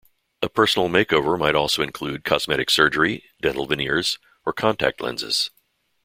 A personal makeover might also include cosmetic surgery, dental veneers, or contact lenses.